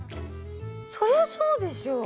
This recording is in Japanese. そりゃそうでしょ。